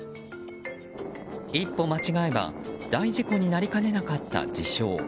一歩間違えば大事故になりかねなかった事象。